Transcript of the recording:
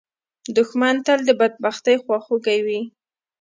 دښمن تل د بدبختۍ خواخوږی وي